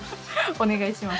お願いします。